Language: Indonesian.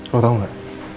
lo tau gak